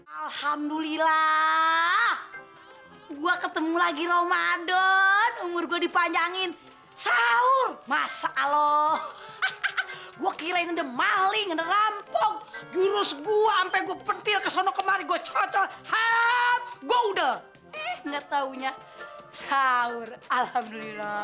alhamdulillah gue ketemu lagi ramadan umur gue dipanjangin sahur masa lo gue kirain udah maling udah rampok jurus gue ampe gue pentil kesana kemari gue cocol hap gue udah eh gak taunya sahur alhamdulillah